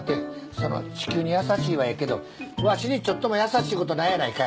その地球に優しいはええけどわしにちょっとも優しいことないやないかい。